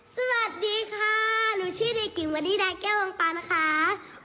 สวัสดีค่ะหนูชื่อได้กลิ่นวันนี้ได้แก้ววงปันนะคะ